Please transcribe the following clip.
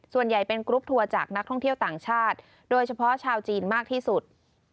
ส่วนใหญ่เป็นกรุ๊ปทัวร์จากนักท่องเที่ยวต่างชาติโดยเฉพาะชาวจีนมากที่สุด